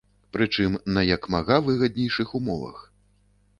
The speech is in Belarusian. Прычым на як мага выгаднейшых умовах.